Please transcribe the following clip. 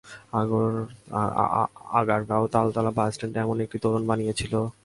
আগারগাঁও তালতলা বাসস্ট্যান্ডে এমন একটি তোরণ বানিয়েছিল আগারগাঁও বাজার বণিক সমিতি।